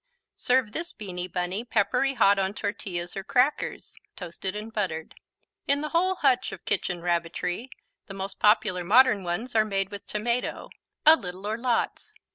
Serve this beany Bunny peppery hot on tortillas or crackers, toasted and buttered. In the whole hutch of kitchen Rabbitry the most popular modern ones are made with tomato, a little or lots.